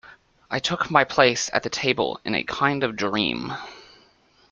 I took my place at the table in a kind of dream.